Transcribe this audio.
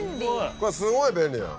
これはすごい便利なの。